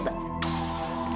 tensi jaga emang